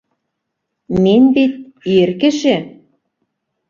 Мин бит... ир кеше!